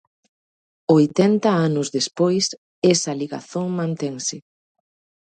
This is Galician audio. Oitenta anos despois, esa ligazón mantense.